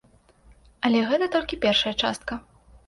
Але гэта толькі першая частка.